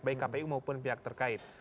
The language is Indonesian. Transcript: baik kpu maupun pihak terkait